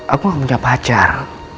aku tidak punya pacar